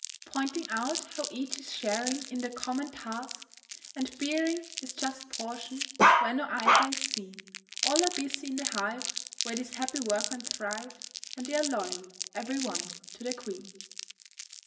_"] Pointing out how each is sharing In the common task, and bearing His just portion; where no idler is seen: All are busy in the hive Where these happy workmen thrive, And they're loyal, every one, to their Queen.